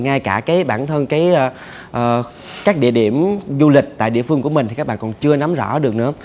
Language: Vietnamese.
ngay cả bản thân các địa điểm du lịch tại địa phương của mình thì các bạn còn chưa nắm rõ được nữa